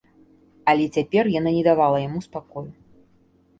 Але цяпер яна не давала яму спакою.